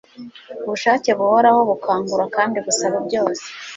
Ubushake buhoraho bukangura kandi busaba byose